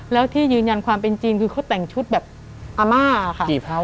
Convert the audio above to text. แล้วที่ยืนยันความเป็นจริงคือเขาแต่งชุดแบบอาม่าค่ะ